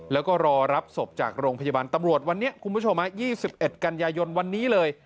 แล้วก็รอรับศพจากโรงพยาบาลตำรวจวันนี้คุณผู้ชม๒๑กันยายนวันนี้เลย